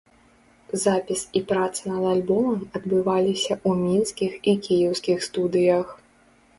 Запіс і праца над альбомам адбываліся ў мінскіх і кіеўскіх студыях.